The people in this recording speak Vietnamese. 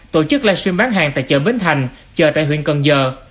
tổ chức livestream bán hàng tại chợ bến thành chờ tại huyện cần giờ